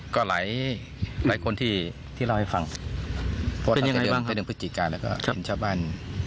ก็หลายหลายคนที่ที่เล่าให้ฟังเป็นยังไงบ้างพฤติกาแล้วก็ชาวบ้าน